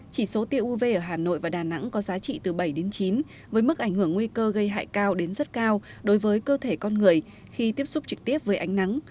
chỉ số tiêu uv ở hà nội và đà nẵng có giá trị từ bảy đến chín với mức ảnh hưởng nguy cơ gây hại cao đến rất cao đối với cơ thể con người khi tiếp xúc trực tiếp với ánh nắng